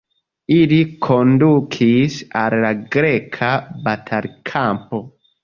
Ili kondukis al la greka batalkampo.